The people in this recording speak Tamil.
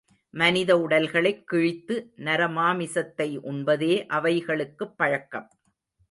மனித உடல்களைக் கிழித்து நரமாமிசத்தை உண்பதே அவைகளுக்குப் பழக்கம்.